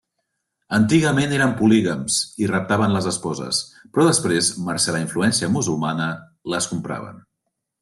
Antigament eren polígams i raptaven les esposes, però després, mercè la influència musulmana, les compraven.